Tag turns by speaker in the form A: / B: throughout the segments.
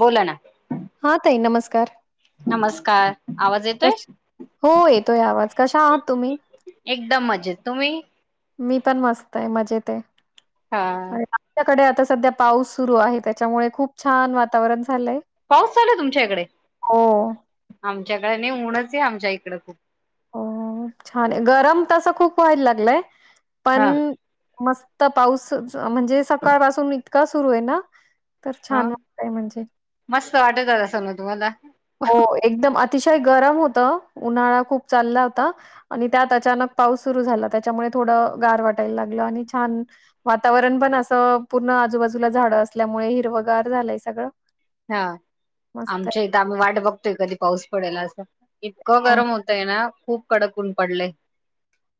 A: बोला ना.
B: हा ताई नमस्कार.
A: नमस्कार आवाज येतोय?
B: कश हो, येतोय आवाज. कशा आहात तुम्ही?
A: एकदम मजेत तुम्ही?
B: मी पण मस्त आहे, मजेत.
A: हा
B: आमच्याकडे आता... सध्या पाऊस सुरू आहे, त्याच्यामुळे खूप छान वातावरण आहे.
A: पाऊस चालू आहे का तुमच्या इकडे?
B: हो,
A: आमच्याकडे नाही, ऊनच आहे आमच्या इकडे खूप.
B: हो छान आहे. गरमी तशी खूप व्हायला लागली आहे,
A: हा
B: पण... मस्त पाऊस! म्हणजे सकाळपासून इतका सुरू आहे ना. तर
A: हा,
B: छान वाटतंय म्हणजे.
A: मस्त वाटतंय असं ना तुम्हाला?
B: हो, एकदम अतिशय गरम होतं. उन्हाळा खूप चालला होता आणि त्यात अचानक पाऊस सुरू झाला. त्यामुळे थोडं गार वाटायला लागलं. छान वातावरण आहे. आजूबाजूला झाडं असल्यामुळे सगळीकडे हिरवागार झालं आहे. सगळं.
A: हा,
B: मस्त आहे.
A: आमच्या इथे आम्ही वाट बघतोय, कधी पाऊस पडेल असं. इतकं
B: हो
A: गरम
B: ना.
A: होतंय ना, खूप कडक ऊन पडलंय.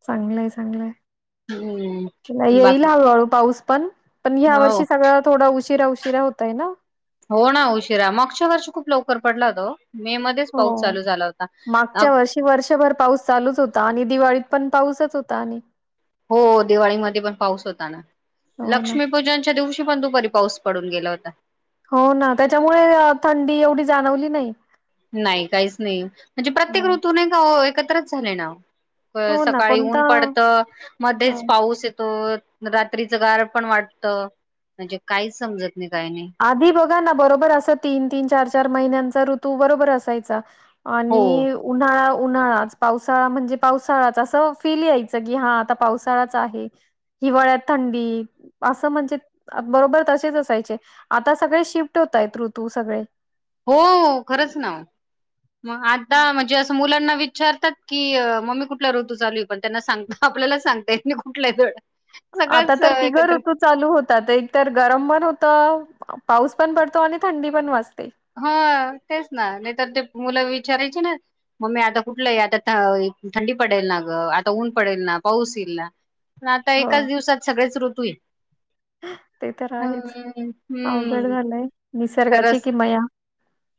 B: चांगलंय, चांगलंय.
A: हम्म
B: येईल
A: बाकी
B: हळूहळू पाऊस, पण
A: हो
B: यावर्षी सगळंच थोडं उशिरा आहे. शिरा होतोय ना?
A: हो ना, उशिरा. मागच्या वर्षी खूप लवकर पडला होता तो.
B: हो,
A: अ
B: मागच्या वर्षी वर्षभर पाऊस चालूच होता आणि दिवाळीतही. पण पाऊसच होता आणि...
A: हो दिवाळीमध्ये पण पाऊस होताना
B: हो ना.
A: लक्ष्मीपूजनच्या दिवशी पण तूप पाऊस पडून गेला होता.
B: हो ना त्याच्यामुळे थंडी एवढी जाणवली नाही.
A: नाही काहीच नाही म्हणजे प्रत्येक
B: हो.
A: ऋतूून आहे का एकत्रच झाले ना. होय
B: हो ना.
A: सकाळी ऊन प.
B: कोणता हो
A: रात्रीचे गार पण वाटतं म्हणजे काहीच समजत नाही. काही नाही
B: आधी बघा ना बरोबर तीन तीन चार चार महिन्याचा.
A: हो
B: आणि उन्हाळा. उन्हाळाच पावसाळा म्हणजे पावसाळाच असं फील यायच की हा आता पावसाळाच आहे. हिवाळ्यात थंडी असं म्हणजे बरोबर तसेच असायचे. आता सगळे शिफ्ट होतय ऋतू सगळे.
A: हो खरच ना म आता म्हणजे अस मुलांना. विचारतात की मम्मी कुठला ऋतू चालू आहे पण त्यांना सांग आपल्याला सांगताय कुठला.
B: आता
A: सगळंच
B: तर तिघ
A: एकत्र
B: ऋतू चालू होतात एकत गरम पण होत. पाऊस पण पडतो आणि थंडी पण वाजतेो.
A: हा तेच ना नाही तरर ते मुलं चाराय ना मी आता कुठलं आता थंडी पडेल ना ग आता ऊन पडेल ना पाऊस. आता
B: हो
A: एकाच दिवसात सगळेच ऋतू आहे.
B: ते तर आहेच
A: हम्म
B: अवघड
A: हम्म
B: झालंय निसर्गाची
A: खरच.
B: किमया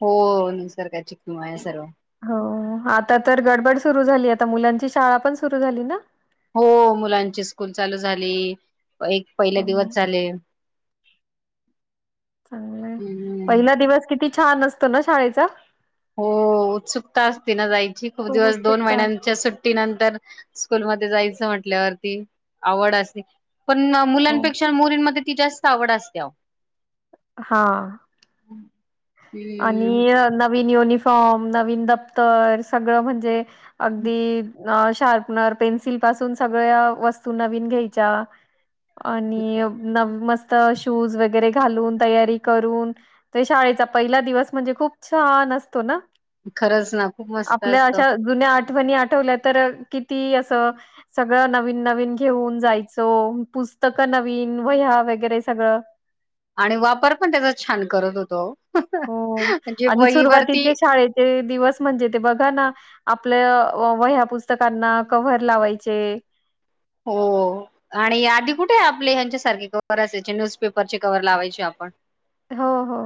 A: हो निसर्गाची किमया सर्व हे सर्व
B: हो आता तर गडबड सुरु झाली आता मुलांची शाळा पण सुरु झाली ना.
A: हो मुलांची स्कूल चालू झाली एक पहिले
B: हो
A: दिवस झाले.
B: चांगलंय
A: हम्म.
B: पहिला दिवस किती छान असतो ना शाळेचा.
A: हो उत्सुकता असती ना जायची खूप दिवस दोन
B: उत्सुकता असते.
A: महिन्यांच्या सुट्टी नंतर स्कूल मध्ये जायचं म्हटल्यावरती आवड असली. पण
B: हो.
A: मुलांपेक्षा मुलीमध्ये ती जास्त आवड असते.
B: हा.
A: हम्म
B: आणि नवीन युनिफॉर्म नवीन दफ्तर सगळं म्हणजे अगदी. अ शार्पनर पेन्सिल पासून सगळ्या वस्तू नवीन घ्यायच्या आणि न मस्त शूज वगैरे घालून तयारी करून ते शाळेचा पहिला दिवस म्हणजे खूप छानतो
A: खरंच ना खूप मस्त
B: आपल्या
A: असतं.
B: अशा जुण्या नी आठवल्या तर किती अस सगळं नवीन नवीन घेऊन जायच पुस्तक नवीन वह्या वगैरे सगळं
A: आणि वापर पण त्याचा छान करत होतो
B: हो
A: म्हणजे
B: आणि
A: वहीवरती
B: सुरुवातीचे शाळेचे दिवस म्हणजे ते बघा ना आपल्या व ह्या पुस्तकांना कव्हर लावायचे
A: हो आणि आधी कुठे आपले ह्यांच्यासारखे कव असायचे न्यूजपेपरचे कववर लावायचे आपण
B: हो हो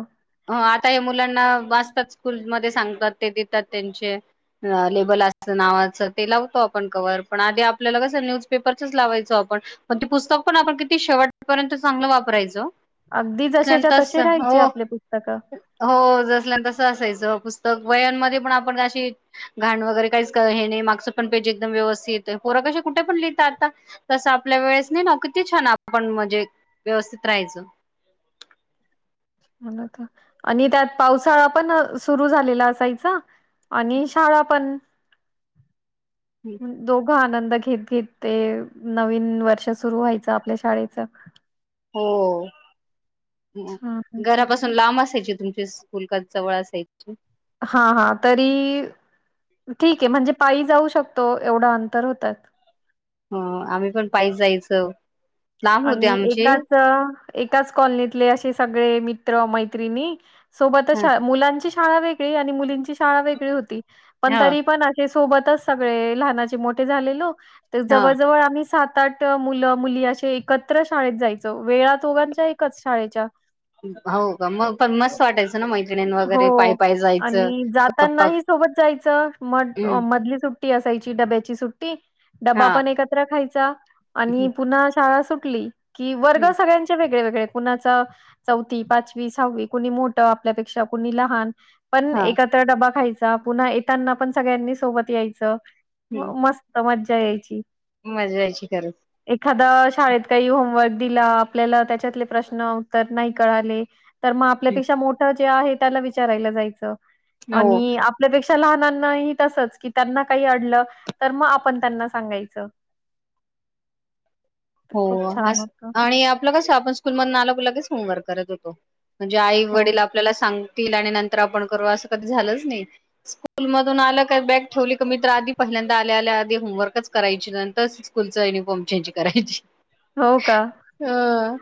A: अ आता हे मुलांना वाचतात स्कूलमध्येध्ये सांगतात ते देतात त्यांचे लेबल नावाचं ते लावतो आपण कव्ह पण आधी आपल्याला कस न्यूज पेपरच लावायचो आपण म ते पुस्तक पण आपण किती शेवटपर्यंत चांगलं वापरायचं
B: अगदी
A: ल्या
B: जसेच्या
A: तच
B: तसे राहायचे
A: हो
B: आपले पुस्तकं
A: हो जसल्या त असय पुस्तक वयामध्ये पण आपणशी घाण वगैरे मागचं पण पेज व्यवस्थित पोरं कुठं पण लिहीत आता तसं आपल्या वेळेस ना
B: [unintelligible] आणि त्यात पावसाळा [unintelligible] कि ते
A: हो
B: हां,
A: घरापासून लांब असायची तुमची [unintelligible]
B: हा हा तरी ठीक आहे म्हणजे पायी जाऊ शकतो एवढं अंतर होतात.
A: हो आम्ही पण पाईच जायचो
B: आणि एकाच एकाच कॉलनीतले असे सगळे मित्र मैत्रिणी सोबत
A: ह
B: मुलांची शाळा वेगळी आणि मुलीनची शाळा वेगळी होती. पण
A: ह
B: तरी पण सोबतच सगळे लहानाचे मोठे झालेलो तर
A: हा
B: जवळ जवळ आम्ही सात सात आठ मुलं मुली असे एकत्र शाळेत जायचं वेळा दोघांच्या एकच शाळेच्या.
A: हो का मग पण मस्त वाटायचं ना मैत्रिणी वगैरे पाय
B: हो.
A: पाय जायचं
B: आणि
A: गप्पा
B: जातानाही सोबत जायचं म
A: हम्म
B: मधली सुट्टी असायची. डब्याची सुट्टी डबा
A: हा
B: पण एकत्र खायचा आणि
A: हम्म
B: पुन्हा शाळा सुटली. कि वर्ग सगळ्यांचे वेगळे वेगळे कुणाच चौथी पाचवी सहावी कुणी मोठं आपल्यापेक्षा कुणी लहान पण
A: हा
B: एकत्र डबा खायचा पुन्हा येताना पण सगळ्यांनी सोबत यायचं. मस्त मज्जा यायची.
A: मज्जा यायची खरच.
B: एखादा शाळेत काही होमवर्क दिला आपल्याला त्याच्यातले प्रश्न उत्तर नाही कळाले तर मग
A: खरंच
B: आपल्यापेक्षा मोठं जे आहे त्याला विचारायला जायचं
A: हो
B: आणि आपल्यापेक्षा लनांनाही तसच की त्यांना काही अडलं तर मग आपण त्यांना सांगायच. [unintelligible]
A: हो आणि आपलं कस आपण स्कूल मधून आल लगेच होमवर्क करत होतो. म्हणजे आई
B: हो,
A: वडील आपल्याला सांग आणि नंतर आपण करू अस कधी झालंच नाही स्कूल मधून आलं का बॅग ठेवली क मी आधी पहि नर आल्या आधी होमवर्कच करायची नंतरच स्कूलचं युनिफॉर्म चेंज करायची.
B: हो का?
A: हह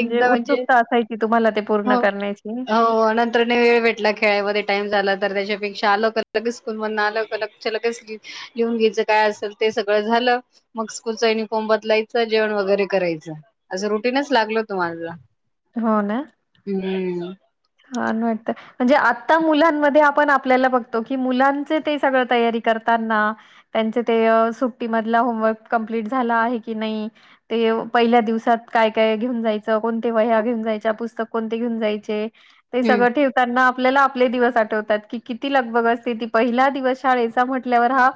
A: एकदा म्हणजे-
B: उत्सुकता असायची तुम्हाला ते
A: हो
B: पूर्ण करण्याची.
A: हो नंतर न वेळ भेटला खेळामध्ये [unintelligible] ते सगळ झाल. मग स्कूल चा युनिफॉर्म बदलायचा जेवण वगैरे करायच आस रूटिंगच लागल होत. तुम्हाला
B: हो ना.
A: हम्म.
B: छान वाटतं म्हणजे आता मुलांमध्ये आपण आपल्याला बघतो, की मुलांच ते सगळ तयारी करताना तेंच ते सुट्टी मधला होमवर्क कंप्लीट झाला आहे की नाही पहिल्या दिवसात काय काय घेऊन जायचं, कोणते वह्या घेऊन जायच्या, पुस्तक कोणते घेऊन जायचे. ते
A: हम्म.
B: सगळं ठेवताना आपल्याला आपले दिवस आठवतात की किती लगबग असते ती पहिला दिवस शाळेचा म्हंटल्यावर हा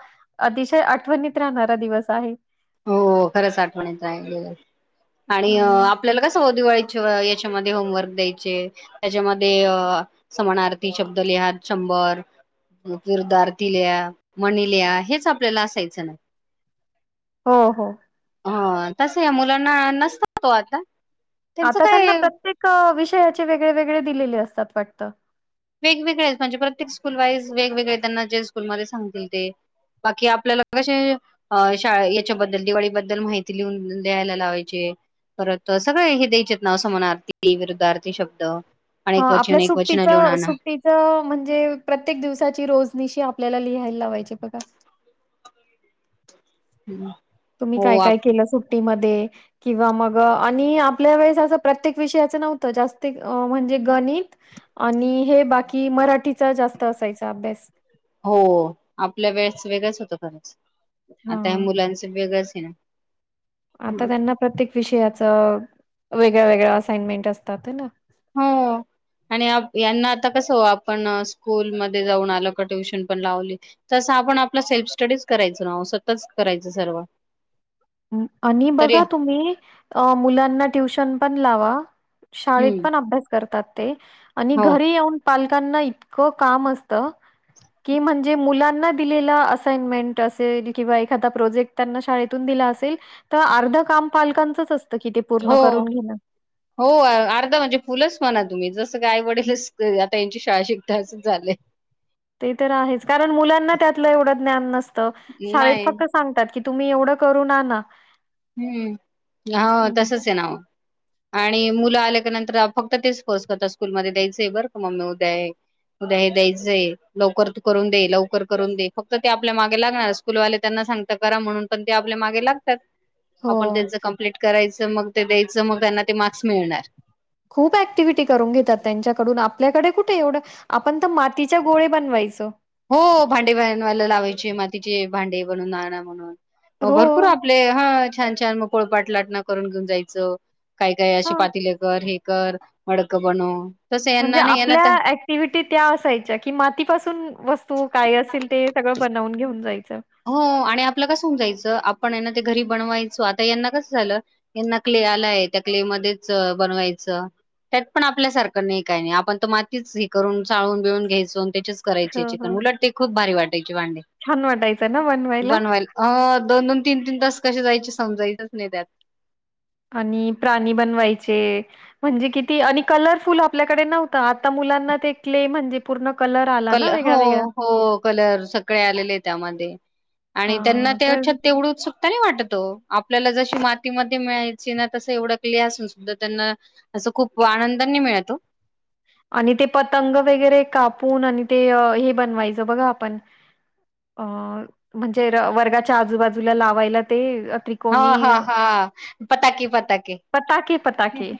B: अतिशय आठवणीत राहणारा दिवस आहे.
A: हो खरंच आठवणीत राहिलेला आहे.
B: अ,
A: आणि आपल्याला कसं हो दिवाळी याच्यामध्ये होमवर्क द्यायचे त्याच्यामध्ये समानार्थी शब्द लिहा वर विरुद्धार्थी लिहा, म्हणी लिहा हेच आपल्याला आसायच ना.
B: हो, हो.
A: हं तसं मुलांना नसतात ओ आता. त्यांचं
B: आता त्यांना
A: काय
B: प्रत्येक विषयाचे वेगळे, वेगळे दिलेले असतात वाटतं.
A: वेगवेगळेच म्हणजे प्रत्येक स्कूल वाईज वेगवेगळे त्यांना जे स्कूलमध्येध्ये सांगतील ते. बाकी आपल्याला कसे शाळा याच्याबद्दल दिवाळीबद्दल माहिती लिहून द्यायला लावायचे. परत सगळं हे द्यायचेत ना समानार्थी, विरुद्धार्थी शब्द.
B: हा
A: अनेक वचन
B: आपल्या
A: एक वचन
B: सुट्टीच
A: लिहून आणा
B: सु तिचं म्हणजे प्रत्येक दिवसाची रोजनिशी आपल्याला लिहायला लावायचे बघा. [unintelligible]
A: हम्म.
B: तुम्ही काय, काय केलं सुट्टीम किंवा मग आणि आपल्या वेळेस प्रत्येक विषयाचं नव्हतं जास्त अ म्हणजे ग णित आणि हे बाकी मराठीचा जास्त असायचा अभ्यास.
A: हो आपल्या वेळेच वेगळंच होत खरंच. आता ह
B: हां,
A: मुलांचं वेगळंच है ना?
B: आता त्यांना प्रत्येक विषयाच वेगळ्या, वेगळ्या असाइनमेंट असतात आहे हाय ना.
A: हो. आणि यांना आता कसं आपण स्कूलमध्ये जाऊन आलो का ट्युशन पण लावली तसं आपण आपला सेल्फ स्टडीज करायचो ना. स्वतःच करायचं सर्व.
B: [inaudible] आणि
A: तरी
B: बघा तुम्ही मुलांना अ ट्युशन पण लावा शाळेत
A: हम्म.
B: पण अभ्यास करतात ते आणि
A: हो
B: घरी येऊन पालकांना इतकं काम असतं की म्हणजे मुलांना दिलेला असाईंमेंट असेल किंवा एखादा प्रोजेक्ट त्यांना शाळेतून दिला अस तील तर अर्ध काम पालकांचच अस
A: हो, हो अर्धा म्हणजे फुलच म्हणा तुम्ही जसं काय आई वडीलच आता यांची शाळा शिकता असंच झालं.
B: ते तर आहेच, कारण मुलांना त्यातलं एवढं ज्ञान नसतं. शाळेत
A: नाही
B: फक्त सांगतात की तुम्ही एवढं करू आणा.
A: हम्म. हा
B: हं,
A: तसच आहे ना ओ. आणि मुलं आल्या का नंतर फक्त तेच फोर्स करतात, स्कूलमध्येध्ये द्यायचं आहे बरं का मम्मी उद्या हे. उद्या हे द्यायचं आहे लवकर करून दे, लवकर करून दे. फक्त ते आपल्या मागे लागणार स्कूलवाले त्यांना सांगत करा म्हणून पण ते आपल्या मागे लागतात. आपण
B: हो.
A: त्यांचं कमप्लीट करायचं, मग ते द्यायचं. मग त्यांना ते मार्क्स मिळणार.
B: खूप ऍक्टिव्हटी करून घेतात त्यांच्याकडून. आपल्याकडे कुठे एवढं आपण तर मातीच्या गोळे बनवायचो.
A: हो भांडे बनवायला लावायचे मातीचे, भांडे बनवुन आणा म्हणून. हो भरपूर आपले हा छान, छान मग पोळपाट लाटण करून घेऊन जायचो. काही काय असे
B: हां.
A: पातीले कर हे कर मडक बनव. तसं
B: म्हणजे
A: यांना नाही यांना
B: आपल्या
A: त्या
B: ऍक्टिव्हटी त्या असायच्या की मातीपासून वस तू काय असेल ते सगळं बनवून घेऊन जायच.
A: हो आणि आपलं कस सम जाायचं आप पण यांना ते घरी बनवायचो आता यांना कसं झालं यांना क्ले आलाय त्या क्ले मध्येच बनवाय च त्यात पण आपल्यासारखं नाही काही नाही आपण तर मातीच हे करून चाळून बिळून घ्यायचो करायचे
B: हं,
A: चिकन
B: हं.
A: उलट ते खूप भारी वाटायची भांडे.
B: छान वाटायचं ना बनवायला
A: बनवायल अ दोन दोन तीन तीन तास कसे जायचे समजायचच नाही त्यात.
B: आणि प्राणी बनवायचे म्हणजे किती आणि कलरफुल आपल्याकडे नव्हतं आता मु लांना ते क्ले म्हण पुर्ण
A: कल हो हो कलर सगळे आलेले त्यामध्ये आणि त्यांना
B: हां,
A: त्या
B: तर
A: अछत तेवढंच तरी वाटतो आपल्याला जशी मातीमध्ये मिळायची ना तस एवडकले असून सुद्धा त्यांना असं खूप आनंदांनी मिळत ओ.
B: [unintelligible] आणि ते पतंग वगैरे कापून आणि ते हे बनवायचं बघा आपण अ म्हणजे वर्गाच्या आजूबाजूला लावायला ते
A: हा
B: त्रिकोणी
A: हा हा पताके पताके.
B: पताके पताके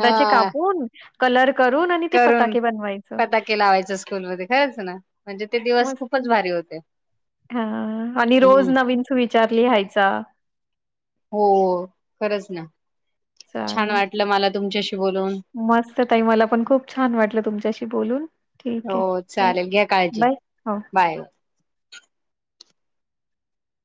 A: हा
B: कापून कलर करून आणि ते
A: करून
B: पताके बनवायचं.
A: पता के लावायचां स्कूल मध्ये खरंच ना म्हणजे ते दिवस खूपच भारी होते.
B: हा आणि रोज
A: हम्म
B: नवीन सुविचार लिहायचा.
A: हो खरच ना छान
B: चालेल.
A: वाटलं मला तुमच्याशी बोलून
B: मस्त ताई मला पण खूप छान वाटलं तुमच्याशी बोलून, ठीक
A: हो
B: आहे ओ
A: चालेल घ्या काळजी घे
B: बाय. हो.
A: बाय...